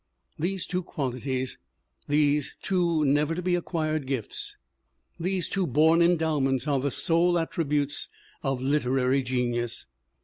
These two qualities, these two never to be acquired gifts, these two born endowments are the sole attributes of literary genius.